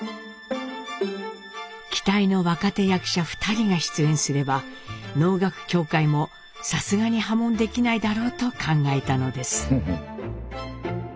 期待の若手役者２人が出演すれば能楽協会もさすがに破門できないだろうと考えたのです。